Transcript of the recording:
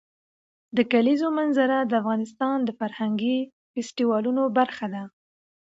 د کلیزو منظره د افغانستان د فرهنګي فستیوالونو برخه ده.